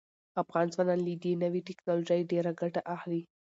افغان ځوانان له دې نوې ټیکنالوژۍ ډیره ګټه اخلي.